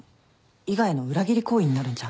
伊賀への裏切り行為になるんじゃ。